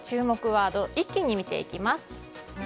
ワード一気に見ていきます。